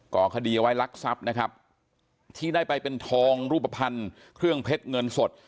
ก่อคดีเอาไว้ลักทรัพย์นะครับที่ได้ไปเป็นทองรูปภัณฑ์เครื่องเพชรเงินสด